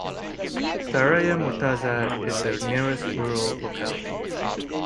Staraya Murtaza is the nearest rural locality.